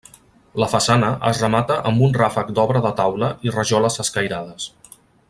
La façana es remata amb un ràfec d'obra de taula i rajoles escairades.